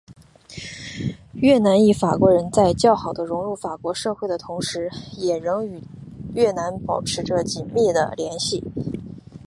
越南裔法国人在较好的融入法国社会的同时也仍与越南保持着紧密的联系。